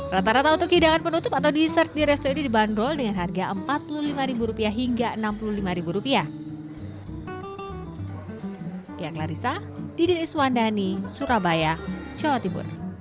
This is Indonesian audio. rata rata untuk hidangan penutup atau dessert di resto ini dibanderol dengan harga rp empat puluh lima hingga rp enam puluh lima rupiah